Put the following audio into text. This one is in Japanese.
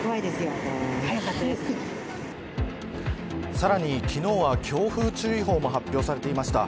さらに昨日は強風注意報も発表されていました。